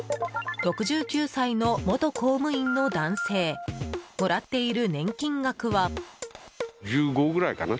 ６９歳の元公務員の男性もらっている年金額は。